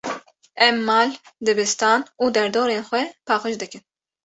Em mal, dibistan û derdorên xwe paqij dikin.